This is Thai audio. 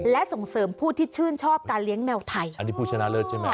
และส่งเสริมผู้ที่ชื่นชอบการเลี้ยงแมวไทยอันนี้ผู้ชนะเลิศใช่ไหม